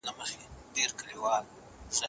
واکداري د ځان غوښتني لپاره نه ده.